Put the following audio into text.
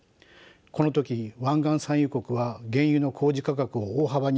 この時湾岸産油国は原油の公示価格を大幅に値上げ